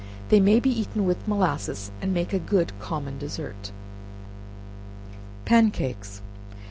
They may be eaten with molasses, and make a good common dessert. Pan Cakes.